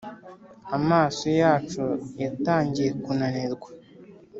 Amaso yacu yatangiye kunanirwa,